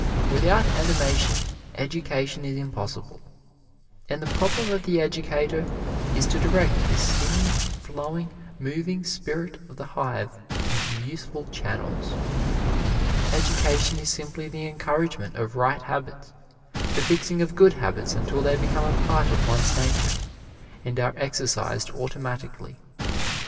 Without animation, education is impossible. And the problem of the educator is to direct this singing, flowing, moving spirit of the hive into useful channels. Education is simply the encouragement of right habits the fixing of good habits until they become a part of one's nature, and are exercised automatically.